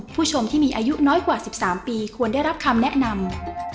ผู้ชมที่มีอายุน้อยกว่า๑๓ปีควรได้รับคำแนะนำ